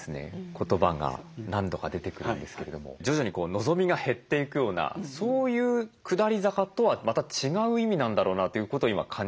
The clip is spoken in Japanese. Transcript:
言葉が何度か出てくるんですけれども徐々に望みが減っていくようなそういう下り坂とはまた違う意味なんだろうなということを今感じているんですが。